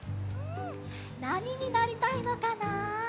なにになりたいのかな？